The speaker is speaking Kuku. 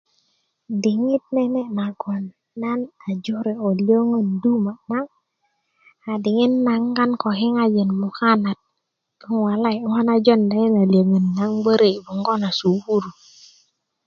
diŋit nene nagon nan a jore ko lyöŋön duma na a diŋit naŋ gboŋ ko kiŋaji mukanat walayi yi ŋo na jonda yi na lyöŋön na un gböröki bongo na sukukuru